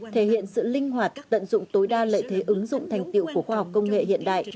thể hiện sự linh hoạt tận dụng tối đa lợi thế ứng dụng thành tiệu của khoa học công nghệ hiện đại